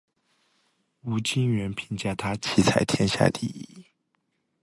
吴清源评价他棋才天下第一。